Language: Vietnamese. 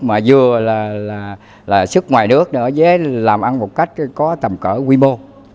mà vừa là sức ngoài nước nữa làm ăn một cách có tầm cỡ quy mô